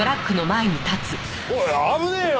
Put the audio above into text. おい危ねえよ！